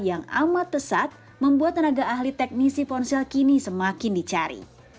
yang amat pesat membuat tenaga ahli teknisi ponsel kini semakin dicari